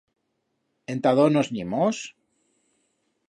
Enta dó nos n'imos?